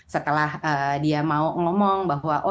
setelah dia mau ngomong bahwa